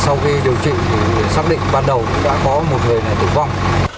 sau khi điều trị thì xác định ban đầu đã có một người tử vong